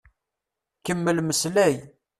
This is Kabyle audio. Kemmel mmeslay.